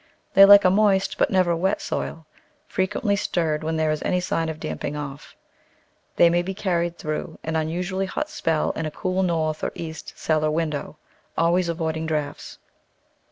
They like a moist, but never wet, soil, fre quently stirred when there is any sign of damping off. They may be carried through an unusually hot spell in a cool north or east cellar window, always avoiding draughts.